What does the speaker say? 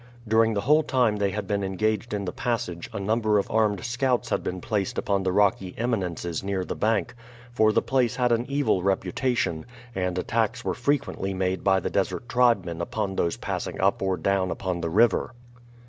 During the whole time they had been engaged in the passage a number of armed scouts had been placed upon the rocky eminences near the bank; for the place had an evil reputation, and attacks were frequently made by the desert tribesmen upon those passing up or down upon the river.